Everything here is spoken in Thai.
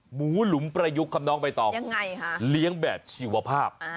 หลุมประยุกต์ครับน้องใบตองยังไงคะเลี้ยงแบบชีวภาพ